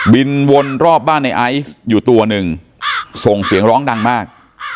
วนรอบบ้านในไอซ์อยู่ตัวหนึ่งส่งเสียงร้องดังมาก